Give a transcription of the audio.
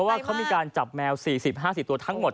ว่าเขามีการจับแมว๔๐๕๐ตัวทั้งหมด